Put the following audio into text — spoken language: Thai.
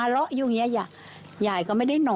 เป็นห่วงไหมกลัวด้วย